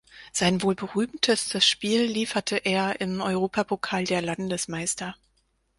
Sein wohl berühmtestes Spiel lieferte er im Europapokal der Landesmeister.